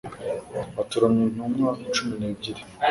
Atoranya intumwa cumi n'ebyiri